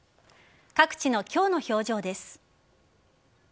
各地の今日の表情です。